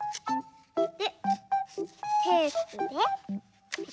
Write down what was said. でテープでピタ。